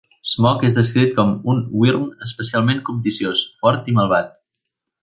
Smaug és descrit com "un wyrm especialment cobdiciós, fort i malvat".